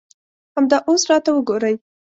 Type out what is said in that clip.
همدا اوس راته وګورئ.